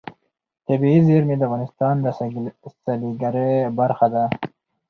طبیعي زیرمې د افغانستان د سیلګرۍ برخه ده.